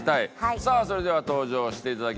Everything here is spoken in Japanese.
さあそれでは登場していただきましょう。